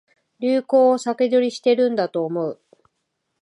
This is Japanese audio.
流行を先取りしてるんだと思う